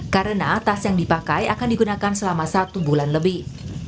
karena tas yang dipakai akan digunakan selama satu bulan lebih